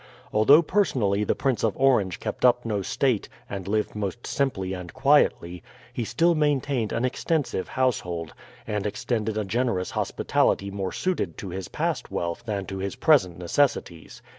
Although personally the Prince of Orange kept up no state and lived most simply and quietly, he still maintained an extensive household, and extended a generous hospitality more suited to his past wealth than to his present necessities.